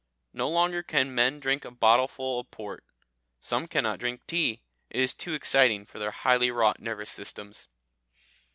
No longer can men drink a bottleful of port; some cannot drink tea; it is too exciting for their highly wrought nervous systems.